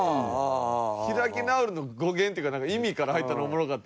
「開き直る」の語源というか意味から入ったのおもろかった。